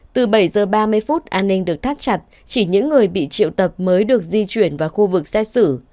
từ bảy h ba mươi phút an ninh được thắt chặt chỉ những người bị triệu tập mới được di chuyển vào khu vực xét xử